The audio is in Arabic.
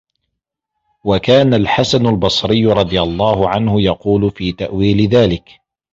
وَكَانَ الْحَسَنُ الْبَصْرِيُّ رَضِيَ اللَّهُ عَنْهُ يَقُولُ فِي تَأْوِيلِ ذَلِكَ